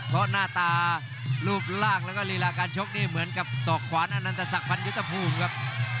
เพราะหน้าตารูปร่างแล้วก็รีลาการชกนี่เหมือนกับศอกขวานอนันตศักดิพันยุทธภูมิครับ